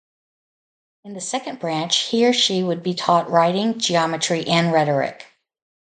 In the second branch, he or she would be taught writing, geometry, and rhetoric.